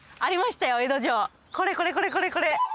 これこれこれこれこれ！